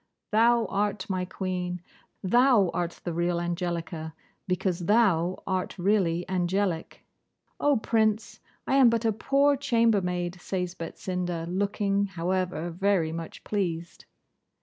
Thou art my Queen. Thou art the real Angelica, because thou art really angelic.' 'Oh, Prince! I am but a poor chambermaid,' says Betsinda, looking, however, very much pleased.